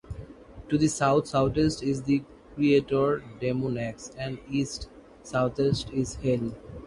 To the south-southwest is the crater Demonax, and east-southeast is Hale.